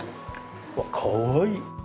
わっかわいい！